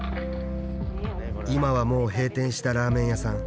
今はもう閉店したラーメン屋さん。